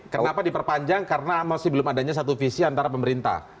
kenapa diperpanjang karena masih belum adanya satu visi antara pemerintah